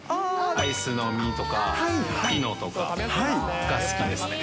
アイスの実とかピノとかが好きですね。